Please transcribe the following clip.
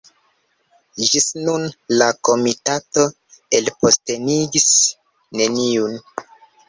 Ĝis nun la komitato elpostenigis neniun.